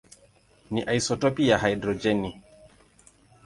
ni isotopi ya hidrojeni.